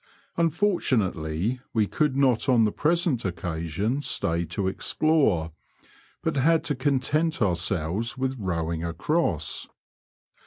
Unfortunately, we could not on the present occasion stay to explore, but had to content ourselves with rowing across.